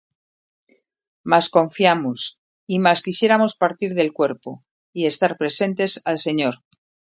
Mas confiamos, y más quisiéramos partir del cuerpo, y estar presentes al Señor.